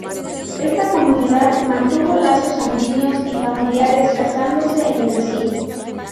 Esta comunidad mantuvo lazos sanguíneos y familiares casándose entre sí.